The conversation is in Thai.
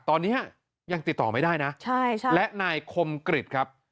ตอนนี้ยังติดต่อไม่ได้นะใช่ใช่และนายคมกฤษครับ